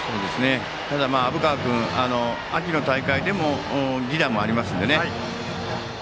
ただ、虻川君は秋の大会で犠打もありますしね。